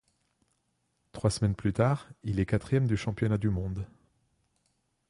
Trois semaines plus tard, il est quatrième du championnat du monde.